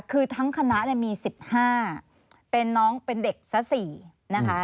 คือทั้งคณะมี๑๕เป็นน้องเป็นเด็กซะ๔นะคะ